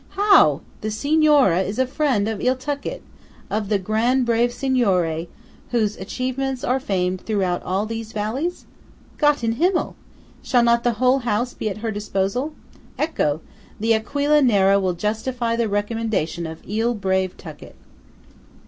How! the Signora is a friend of "Il Tuckett"–of the "gran' brave Signore" whose achievements are famed throughout all these valleys? Gott in Himmel! shall not the whole house be at her disposal? Ecco! the Aquila Nera will justify the recommendation of "il brave Tuckett!"